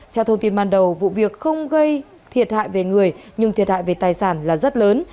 theo thông tin ban đầu vụ việc không gây thiệt hại về người nhưng thiệt hại về tài sản là rất lớn